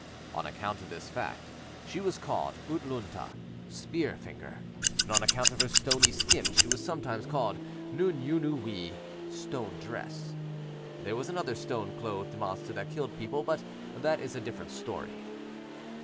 On account of this fact she was called U`tlûñ'ta, "Spear finger," and on account of her stony skin she was sometimes called Nûñ'yunu'wi, "Stone dress." There was another stone clothed monster that killed people, but that is a different story.